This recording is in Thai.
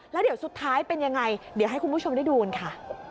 แล้วเดี๋ยวสุดท้ายเป็นยังไงเดี๋ยวให้คุณผู้ชมได้ดูกันค่ะ